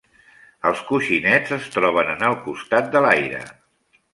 Els coixinets es troben en el costat de l'aire.